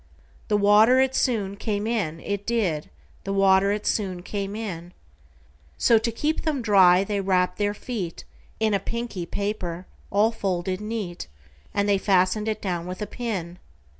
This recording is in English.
The water it soon came in, it did; The water it soon came in:So, to keep them dry, they wrapp'd their feetIn a pinky paper all folded neat:And they fasten'd it down with a pin.